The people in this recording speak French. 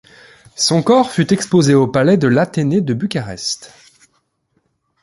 Son corps fut exposé au Palais de l'Athénée de Bucarest.